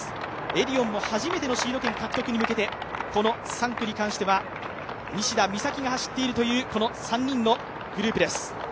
エディオンも初めてのシード権獲得に向けて３区に関しては西田美咲が走っているという、３人のグループです。